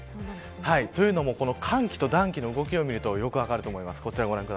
というのも寒気と暖気の動きを見るとよく分かります。